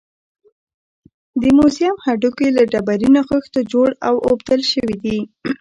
د موزیم هډوکي له ډبرینو خښتو جوړ او اوبدل شوي دي.